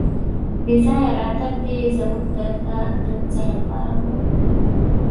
بې ځایه راتګ دې زموږ در ته د څه لپاره و.